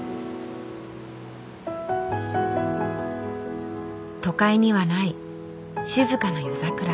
都会にはない静かな夜桜。